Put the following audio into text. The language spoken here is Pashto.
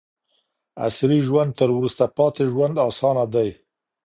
عصري ژوند تر وروسته پاتې ژوند اسانه دی.